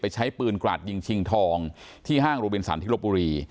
ไปใช้ปืนกระดยิงชิงทองที่ห้างรุเบียนสันทิโลปุรี